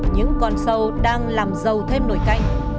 những con sâu đang làm dầu thêm nổi canh